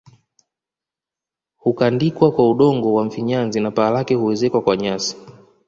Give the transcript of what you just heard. Hukandikwa kwa udongo wa mfinyanzi na paa lake huezekwa kwa nyasi